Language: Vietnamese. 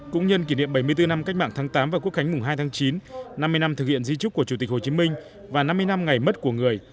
cũng nhân kỷ niệm bảy mươi bốn năm cách mạng tháng tám và quốc khánh mùng hai tháng chín năm mươi năm thực hiện di trúc của chủ tịch hồ chí minh và năm mươi năm ngày mất của người